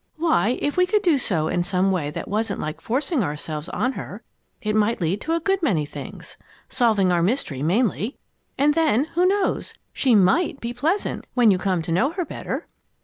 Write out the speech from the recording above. "Why, if we could do so in some way that wasn't like forcing ourselves on her, it might lead to a good many things solving our mystery mainly. And then, who knows? she might be pleasant when you come to know her better."